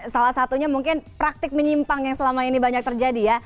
salah satunya mungkin praktik menyimpang yang selama ini banyak terjadi ya